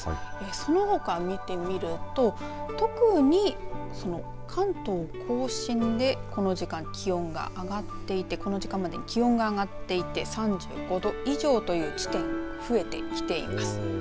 そのほか見てみると特にその関東甲信でこの時間までに気温が上がっていて３５度以上という地点増えてきています。